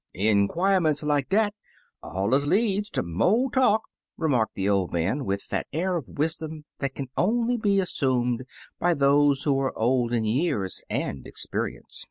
" Inquirements like dat allers leads ter mo' talk," remarked the old man, with that air of wisdom that can only be assumed by 58 Taily Po those who are old in years and experience.